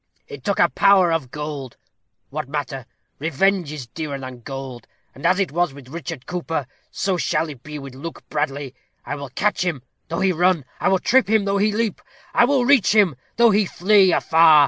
It took a power of gold. What matter? Revenge is dearer than gold. And as it was with Richard Cooper, so it shall be with Luke Bradley. I will catch him, though he run. I will trip him, though he leap. I will reach him, though he flee afar.